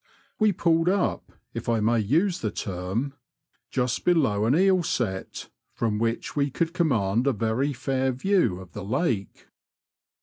We pulled up, if 1 may use the term, just below an eel set, from which we could command a very fair view of the lake.